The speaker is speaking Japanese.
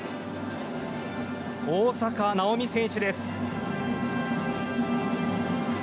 大坂なおみ選手です。